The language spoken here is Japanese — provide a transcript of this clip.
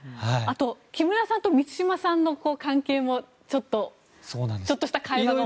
木村さんと満島さんの関係もちょっとした会話で。